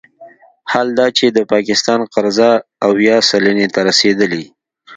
حال دا چې د پاکستان قرضه اویا سلنې ته رسیدلې